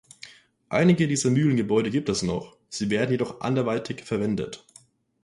Einige dieser Mühlengebäude gibt es noch, sie werden jedoch anderweitig verwendet.